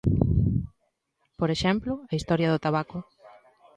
Por exemplo, a historia do tabaco.